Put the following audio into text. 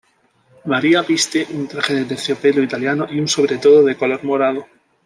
María viste un traje de terciopelo italiano y un sobretodo de color morado.